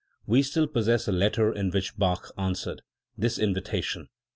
We still possess a letter in which Bach answered this in vitation.